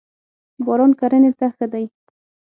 باران کرنی ته ښه دی.